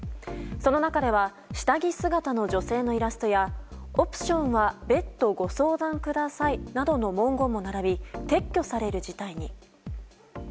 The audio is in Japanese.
その中では下着姿の女性のイラストやオプションは別途ご相談くださいなどの文言も並び撤去される事態に。